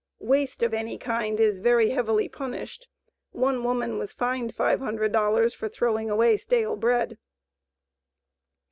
Waste of any kind is very heavily punished one woman was fined $500 for throwing away stale bread.